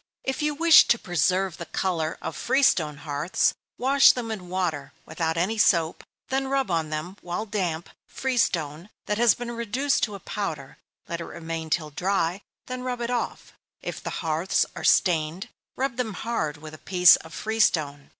If you wish to preserve the color of free stone hearths, wash them in water, without any soap; then rub on them, while damp, free stone, that has been reduced to a powder let it remain till dry, then rub it off. If the hearths are stained, rub them hard with a piece of free stone.